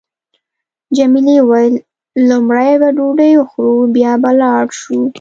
جميلې وويل: لومړی به ډوډۍ وخورو بیا به ولاړ شو.